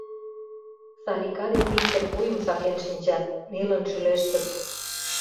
Салика ден Виктыр вуйым сакен шинчат, нелын шӱлештыт.